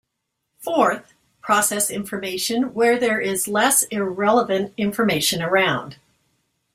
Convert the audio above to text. Fourth, process information where there is less irrelevant information around.